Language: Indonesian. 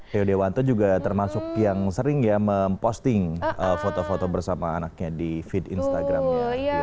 rio dewanto juga termasuk yang sering ya memposting foto foto bersama anaknya di feed instagramnya